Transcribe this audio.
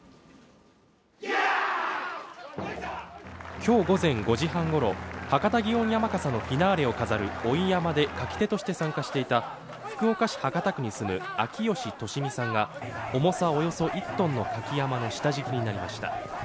今日午前５時半ごろ博多祇園山笠のフィナーレを飾る追い山笠で舁き手として参加していた福岡市博多区に住む秋吉敏実さんが重さおよそ１ｔの舁き山笠の下敷きになりました。